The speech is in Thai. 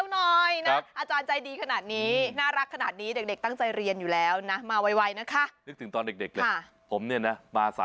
น่ารักขนาดนี้เด็กตั้งใจเรียนอยู่แล้วมาไวนะคะ